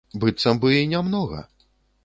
Быццам бы і не многа!